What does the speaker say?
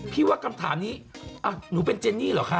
พี่ว่ากำถามนี้อ้าวหนูเป็นเจนี่เหรอคะ